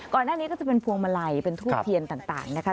ก่อนหน้านี้ก็จะเป็นพวงมาลัยเป็นทูลเทียนต่างนะคะ